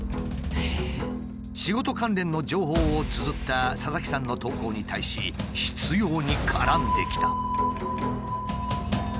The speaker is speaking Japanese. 仕事関連の情報をつづった佐々木さんの投稿に対し執拗に絡んできた。